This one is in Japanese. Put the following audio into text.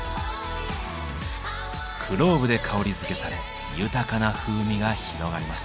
クローブで香りづけされ豊かな風味が広がります。